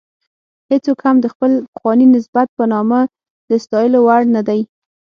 هېڅوک هم د خپل پخواني نسب په نامه د ستایلو وړ نه دی.